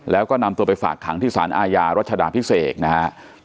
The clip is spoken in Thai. แล้วก็นำตัวไปฝากขังที่สารอาญารัชดาพิเศษนะครับ